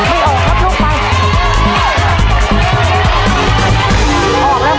เออออกแล้วลูกไปน้องการลูกไปต่อเลย